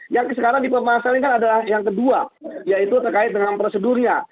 yang sekarang dipermasalahkan adalah yang kedua yaitu terkait dengan prosedurnya